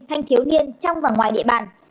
thanh thiếu niên trong và ngoài địa bàn